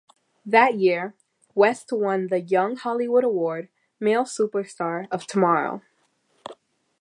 That year, West won the "Young Hollywood Award" Male Superstar of Tomorrow.